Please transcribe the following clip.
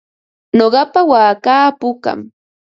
Nuqapa waakaa pukam.